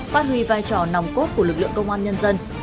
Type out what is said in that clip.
phát huy vai trò nòng cốt của lực lượng công an nhân dân